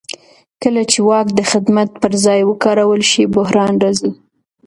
کله چې واک د خدمت پر ځای وکارول شي بحران راځي